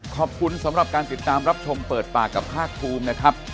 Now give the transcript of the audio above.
ขอบคุณสำหรับการติดตามรับชมเปิดปากกับภาคภูมินะครับ